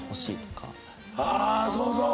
あそうそう。